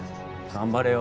頑張れよ！